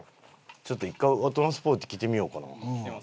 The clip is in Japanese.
ちょっと１回大人スポーティー着てみようかな。